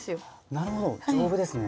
なるほど丈夫ですね。